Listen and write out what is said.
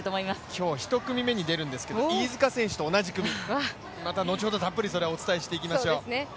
今日１組目に出るんですけれども、飯塚選手と同じ組、後ほどまたたっぷりお伝えしていきましょう。